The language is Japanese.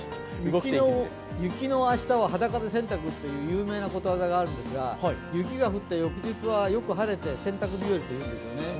雪の明日は裸で洗濯という有名なことわざがあるんですが、雪が降った翌日はよく晴れて洗濯日和というんですね。